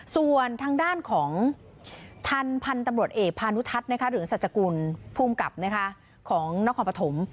ส่วนทางด้านของทันพันธุ์ตำรวจเอกพานุทัศน์หรือสัจกุลภูมิกับของนครปฐม